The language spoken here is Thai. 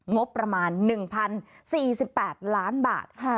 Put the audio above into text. งบประมาณ๑๐๔๘ล้านบาท